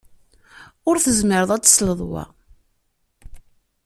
Ur tezmireḍ ad telseḍ wa.